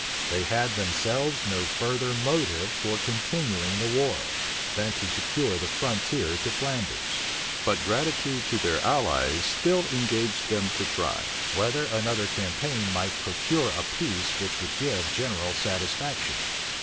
They had themselves no further motive for continuing the war, than to secure a good frontier to Flanders; but gratitude to their allies still engaged them to try, whether another campaign might procure a peace which would give general satisfaction.